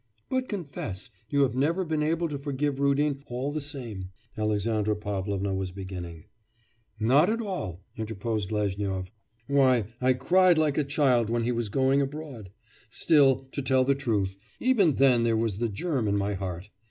'But confess, you have never been able to forgive Rudin, all the same,' Alexandra Pavlovna was beginning. 'Not at all!' interposed Lezhnyov, 'why, I cried like a child when he was going abroad. Still, to tell the truth, even then there was the germ in my heart.